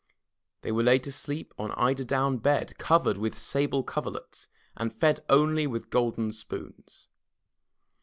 They were laid to sleep on eiderdown beds, covered with sable coverlets, and fed only with golden spoons.